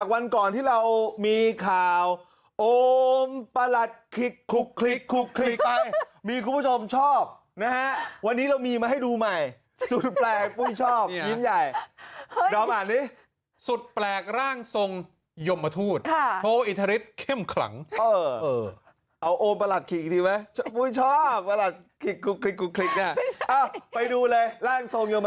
จากวันก่อนที่เรามีข่าวโอมประหลัดคลิกคุกคลิกคุกคลิกคุกคลิกคุกคลิกคุกคลิกคุกคลิกคุกคลิกคุกคลิกคุกคลิกคุกคลิกคุกคลิกคุกคลิกคุกคลิกคุกคลิกคุกคลิกคุกคลิกคุกคลิกคุกคลิกคุกคลิกคุกคลิกคุกคลิกคุกคลิกคุกคลิกคุกคลิกค